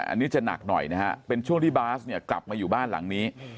อันนี้จะหนักหน่อยนะฮะเป็นช่วงที่บาสเนี่ยกลับมาอยู่บ้านหลังนี้